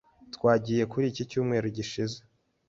Twagiye kuri iki cyumweru gishize.